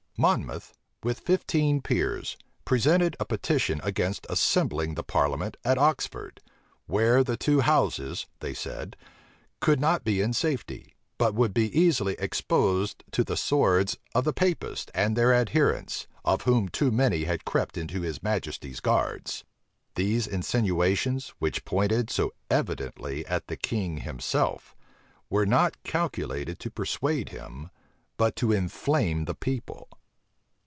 Monmouth with fifteen peers presented a petition against assembling the parliament at Oxford, "where the two houses," they said, "could not be in safety; but would be easily exposed to the swords of the Papists and their adherents, of whom too many had crept into his majesty's guards." These insinuations, which pointed so evidently at the king himself, were not calculated to persuade him, but to inflame the people.